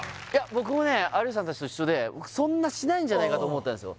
僕もね有吉さん達と一緒でそんなしないんじゃないかと思ったんですよ